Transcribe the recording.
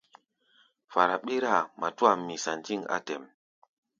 Fara ɓíráa, matúa misa ndîŋ á tɛ̌ʼm.